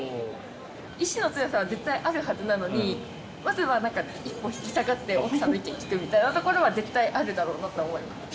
意思の強さは絶対あるはずなのに、まずはなんか一歩引き下がって奥さんの意見聞くみたいなところは絶対あるだろうなと思います。